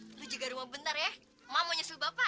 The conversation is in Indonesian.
nih nunggu bentar ya mama mau nyusul bapak